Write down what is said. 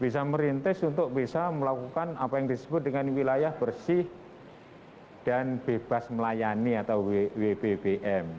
bisa merintis untuk bisa melakukan apa yang disebut dengan wilayah bersih dan bebas melayani atau wbbm